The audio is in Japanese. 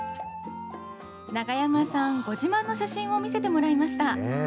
長山さん、ご自慢の写真を見せてもらいました。